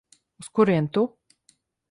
Uz kurieni tu?